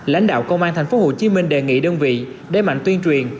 lãnh đạo công an tp hcm đề nghị đơn vị đế mạnh tuyên truyền